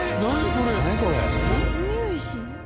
これ。